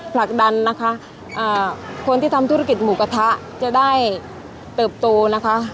ผลักดันนะคะคนที่ทำธุรกิจหมูกระทะจะได้เติบโตนะคะ